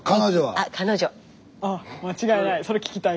あ間違いない。